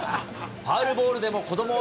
ファウルボールでも子どもを